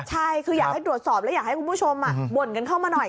ใช่คืออยากให้ตรวจสอบและอยากให้คุณผู้ชมบ่นกันเข้ามาหน่อย